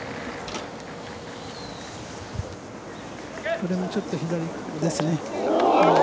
これもちょっと左ですね。